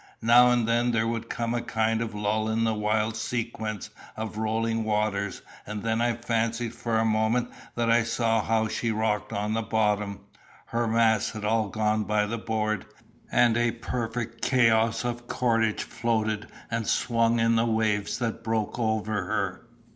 Now and then there would come a kind of lull in the wild sequence of rolling waters, and then I fancied for a moment that I saw how she rocked on the bottom. Her masts had all gone by the board, and a perfect chaos of cordage floated and swung in the waves that broke over her.